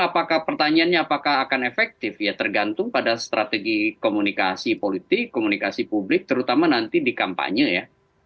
apakah pertanyaannya apakah akan efektif ya tergantung pada strategi komunikasi politik komunikasi publik terutama nanti di kampanye ya